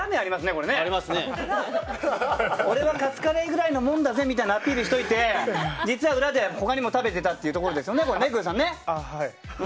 これはカツカレーぐらいのもんだぜってアピールしといて実は裏で他にも食べてたというところですね、グーさん。